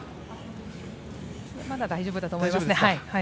まだ大丈夫だと思います。